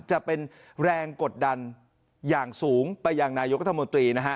จะเป็นแรงกดดันอย่างสูงไปยังนายกรัฐมนตรีนะฮะ